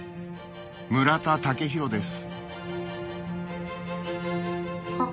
村田雄浩です